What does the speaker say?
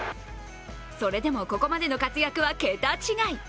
それでも、ここまでの活躍は桁違い。